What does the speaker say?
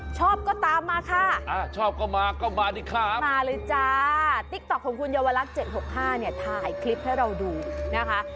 ชอบก็ตามมาค่ะมาเลยจ้าทิกต็อกของคุณยาวรักษ์๗๖๕ถ่ายคลิปให้เราดูนะคะ